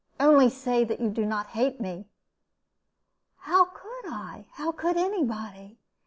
Only say that you do not hate me." "How could I? How could any body?